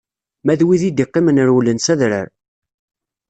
Ma d wid i d-iqqimen rewlen s adrar.